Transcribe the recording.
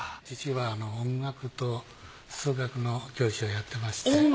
父は音楽と数学の教師をやっておりまして。